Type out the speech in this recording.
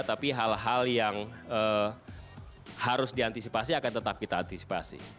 tapi hal hal yang harus diantisipasi akan tetap kita antisipasi